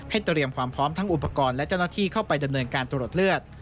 เตรียมความพร้อมทั้งอุปกรณ์และเจ้าหน้าที่เข้าไปดำเนินการตรวจเลือด